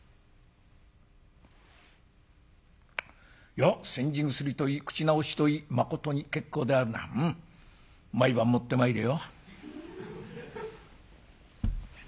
「よっ煎じ薬といい口直しといいまことに結構であるなうん。毎晩持ってまいれよ」。